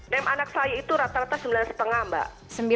name anak saya itu rata rata sembilan lima mbak